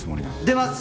出ます！